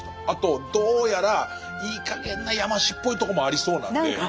あとどうやらいいかげんな山師っぽいとこもありそうなんで。